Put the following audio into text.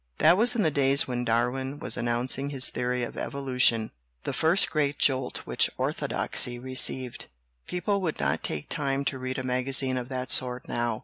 That was in the days when Darwin was announcing his theory of evolu tion the first great jolt which orthodoxy received. People would not take time to read a magazine of that sort now.